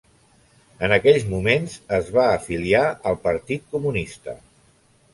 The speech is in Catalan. En aquells moments es va afiliar al Partit Comunista.